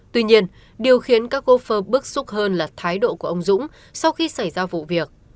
tuy nhiên điều khiến các cô phơ bức xúc hơn là thái độ của ông dũng sau khi xảy ra vụ việc